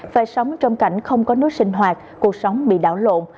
phải sống trong cảnh không có nước sinh hoạt cuộc sống bị đảo lộn